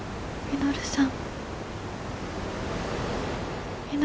稔さん。